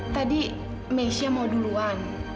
tadi meisha mau duluan